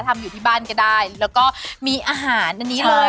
ทำอยู่ที่บ้านก็ได้แล้วก็มีอาหารอันนี้เลย